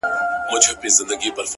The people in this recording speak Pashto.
عجب راگوري د خوني سترگو څه خون راباسـي،